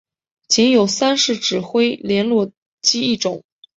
仅有三式指挥连络机一种。